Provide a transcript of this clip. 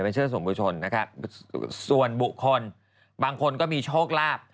เชื่อส่วนบุคคลนะครับส่วนบุคคลบางคนก็มีโชคลาภ